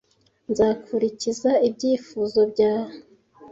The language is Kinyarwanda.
Nzakurikiza ibyifuzo bya .